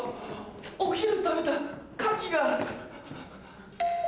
お昼食べたカキが。